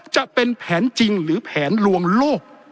จะเป็นแผนจริงหรือแผนลวงโลก